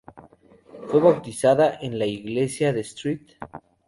Fue bautizada en la iglesia de St.